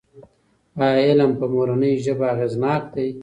ایا علم په مورنۍ ژبه اغېزناک دی؟